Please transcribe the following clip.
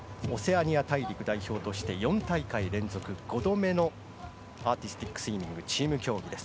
オセアニア大陸代表として４大会連続、５度目のアーティスティックスイミング、チーム競技です。